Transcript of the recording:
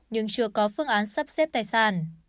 nhưng chưa có phương án sắp xếp tài sản